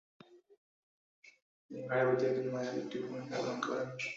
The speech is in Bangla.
তিনি ভাইয়ের প্রতি একজন মায়ের একটি ভূমিকা পালন করেন।